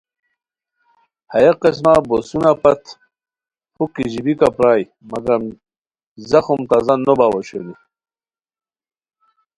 ہیہ قسمہ بوسونہ پت پُھک کیژیبیکہ پرائے مگم زخم تازہ نو باؤ اوشونی